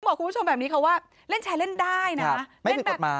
บอกคุณผู้ชมแบบนี้เขาว่าเล่นแชร์เล่นได้นะ